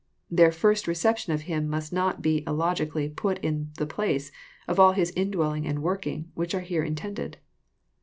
Their first reception of Him must not be illogically put In the place of all His indwelling and working, which are here intended."